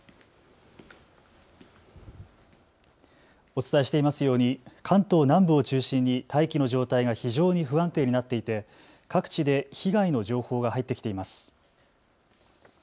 お伝えしていますように関東南部を中心に大気の状態が非常に不安定になっていて各地で被害の情報が入ってきています。